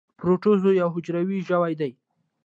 پروټوزوا یو حجروي ژوي دي